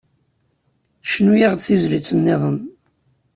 Cnu-aɣ-d tizlit-nniḍen.